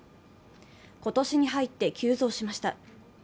今年に入って急増しました。